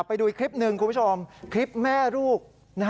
ไปดูอีกคลิปหนึ่งคุณผู้ชมคลิปแม่ลูก